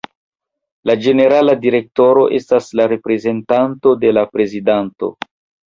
La ĝenerala direktoro estas la reprezentanto de la prezidanto.